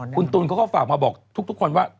คุณตูนก็ฝากมาบอกทุกคนว่า